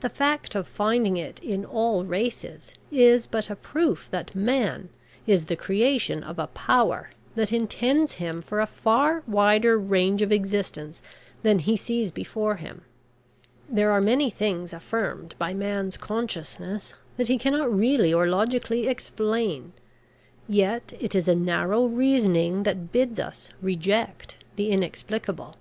The fact of finding it in all races is but a proof that Man is the creation of a Power that intends him for a far wider range of existence than he sees before him. There are many things affirmed by man's consciousness that he cannot really or logically explain. Yet it is a narrow reasoning that bids us reject the inexplicable."